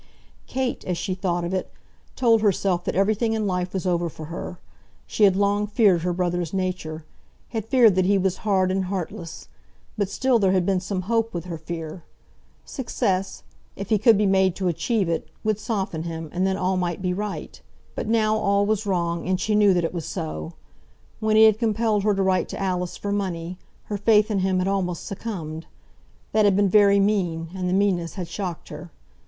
Kate, as she thought of it, told herself that everything in life was over for her. She had long feared her brother's nature, had feared that he was hard and heartless; but still there had been some hope with her fear. Success, if he could be made to achieve it, would soften him, and then all might be right. But now all was wrong, and she knew that it was so. When he had compelled her to write to Alice for money, her faith in him had almost succumbed. That had been very mean, and the meanness had shocked her.